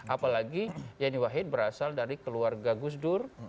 apalagi yeni wahid berasal dari keluarga gusdur